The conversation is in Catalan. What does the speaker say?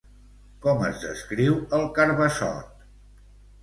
Com es descriu el Carbassot?